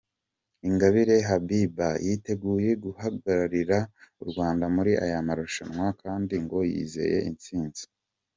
Ingabire Habibah yiteguye guhagararira u Rwanda muri aya marushanwa kandi ngo yizeye intsinzi